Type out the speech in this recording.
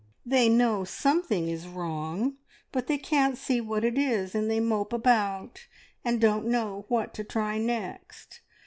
They know something is wrong, but they can't see what it is, and they mope about, and don't know what to try next.